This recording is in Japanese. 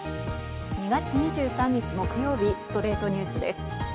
２月２３日、木曜日『ストレイトニュース』です。